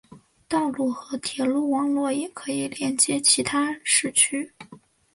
道路和铁路网络也可以连接其他市区。